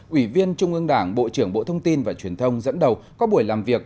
ủy viên trung ương đảng bộ trưởng bộ thông tin và truyền thông dẫn đầu có buổi làm việc